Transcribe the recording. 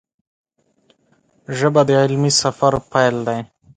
ژبه د علمي سفر پیل دی